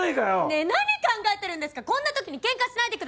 ねえ何考えてるんですかこんなときにけんかしないでください。